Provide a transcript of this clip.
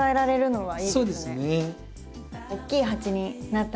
はい。